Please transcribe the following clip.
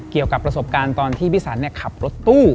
เกี่ยวกับประสบการณ์ตอนที่พี่สันขับรถตู้